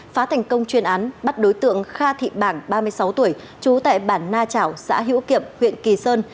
phá thành công chuyên án bắt đối tượng kha thị bảng ba mươi sáu tuổi trú tại bản na chảo xã hiễu kiệm huyện kỳ sơn